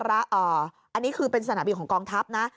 อันนี้คือเป็นสนามบินของกองทัพนะ